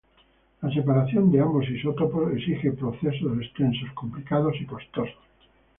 La separación de ambos isótopos exige procesos extensos, complicados y costosos.